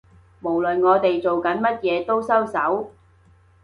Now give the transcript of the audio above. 無論我哋做緊乜都收手